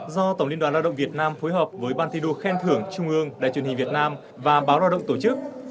do tổng liên đoàn lao động việt nam phối hợp với ban thi đua khen thưởng trung ương đài truyền hình việt nam và báo lao động tổ chức